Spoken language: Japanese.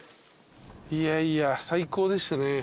いやいや最高でしたね。